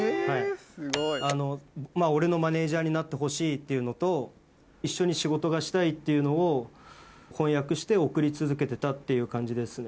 すごい！俺のマネジャーになってほしいっていうのと一緒に仕事がしたいっていうのを翻訳して送り続けてたっていう感じですね。